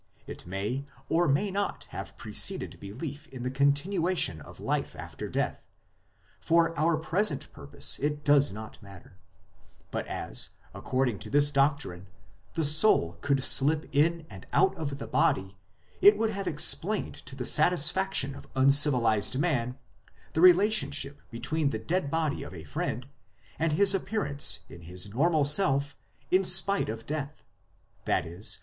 It may or may not have preceded belief in the con tinuation of life after death, for our present purpose it does not matter ; but as, according to this doctrine, the soul could slip in and out of the body, it would have ex plained to the satisfaction of uncivilized man the relation ship between the dead body of a friend and his appearance in his normal self in spite of death ; i.e.